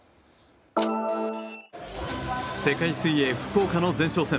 世界水泳福岡の前哨戦